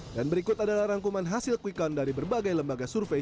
dan berikut adalah rangkuman hasil quick count dari berbagai lembaga survei